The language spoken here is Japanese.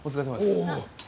おお。